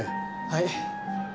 はい。